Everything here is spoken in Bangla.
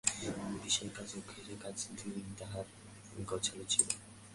বিষয়কাজ এবং ঘরের কাজ দুইই তাঁহার গোছালো ছিল।